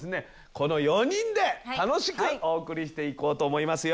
この４人で楽しくお送りしていこうと思いますよ。